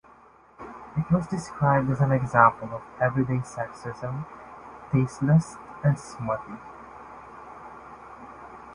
It was described as an example of "everyday sexism", "tasteleless" and "smutty".